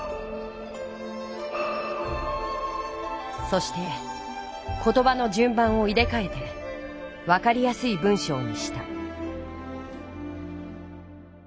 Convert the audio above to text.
そして言葉のじゅん番を入れかえてわかりやすい文章にした。